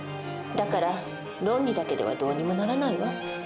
だから論理だけではどうにもならないわ。